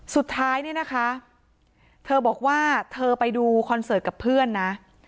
สุดท้ายเนี่ยนะคะเธอบอกว่าเธอไปดูคอนเสิร์ตกับเพื่อนนะ